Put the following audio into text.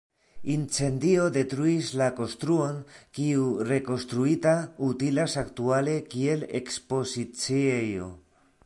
Incendio detruis la konstruon, kiu, rekonstruita, utilas aktuale kiel ekspoziciejo.